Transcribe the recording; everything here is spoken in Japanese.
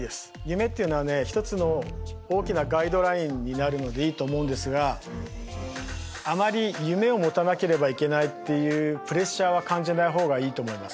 夢っていうのはね一つの大きなガイドラインになるのでいいと思うんですがあまり夢を持たなければいけないっていうプレッシャーは感じない方がいいと思います。